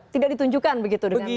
tidak ditunjukkan begitu dengan